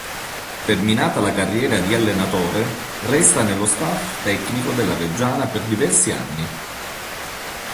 Terminata la carriera di allenatore, resta nello staff tecnico della Reggiana per diversi anni.